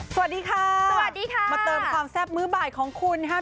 สวัสดีค่ะสวัสดีค่ะมาเติมความแซ่บมื้อบ่ายของคุณนะครับ